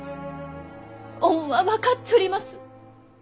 恩は分かっちょります。